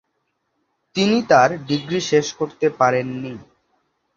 তিনি তার ডিগ্রি শেষ করতে পারেন নি।